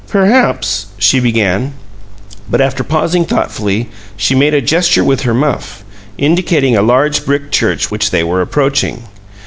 "Perhaps " she began, but after pausing thoughtfully she made a gesture with her muff, indicating a large brick church which they were approaching.